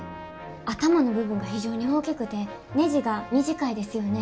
頭の部分が非常に大きくてねじが短いですよね？